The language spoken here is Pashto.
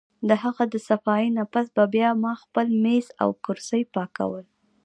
د هغه د صفائي نه پس به بیا ما خپل مېز او کرسۍ پاکول